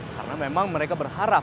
karena memang mereka berharap